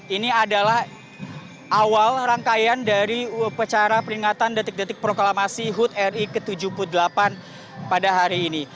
ini adalah awal rangkaian dari upacara peringatan detik detik proklamasi hud ri ke tujuh puluh delapan pada hari ini